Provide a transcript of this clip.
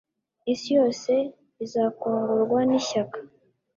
isi yose izakongorwa n ishyaka